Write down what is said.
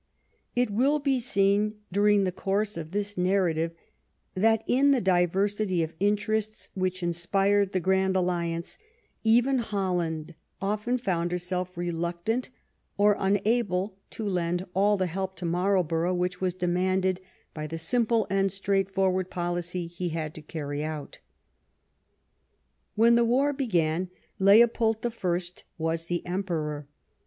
It will be seen during the course of this nar rative that in the diversity of interests which inspired the Grand Alliance, even Holland often found herself reluctant or unable to lend all the help to Marlborough which was demanded by the simple and straightforward policy he had to carry out. When the war began Leopold the First was the Emperor.